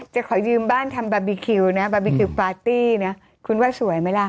จะขอยืมบ้านทำบาร์บีคิวนะบาร์บีคิวปาร์ตี้นะคุณว่าสวยไหมล่ะ